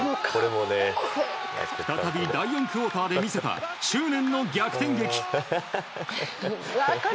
再び第４クオーターで見せた執念の逆転劇。